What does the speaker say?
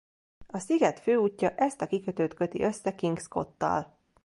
A sziget főútja ezt a kikötőt köti össze Kingscote-tal.